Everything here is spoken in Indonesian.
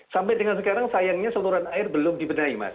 sampai dengan sekarang sayangnya saluran air belum dibenahi mas